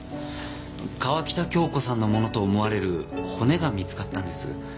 川喜多京子さんのものと思われる骨が見つかったんです。